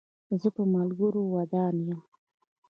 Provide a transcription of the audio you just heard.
زه په ملګرو ودان یم.